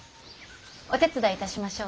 お手伝いいたしましょうか？